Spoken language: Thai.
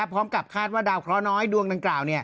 พร้อมกับคาดว่าดาวเคราะห์น้อยดวงดังกล่าว